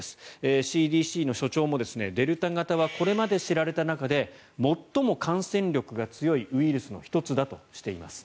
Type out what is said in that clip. ＣＤＣの所長もデルタ型はこれまで知られた中で最も感染力が強いウイルスの１つだとしています。